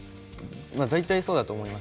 大体そうだと思います。